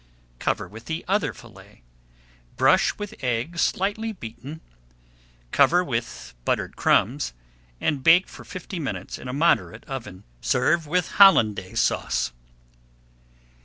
Cover with the other fillet, brush with egg slightly beaten, cover with buttered crumbs, and bake for fifty minutes in a moderate oven. Serve with Hollandaise Sauce.